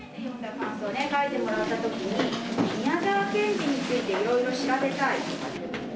書いてもらったときに、宮沢賢治について、いろいろ調べたい。